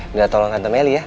minta tolong hantar meli ya